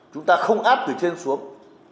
chúng ta không áp từ trên xuống